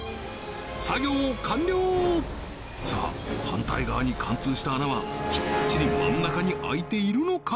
反対側に貫通した穴はきっちり真ん中にあいているのか？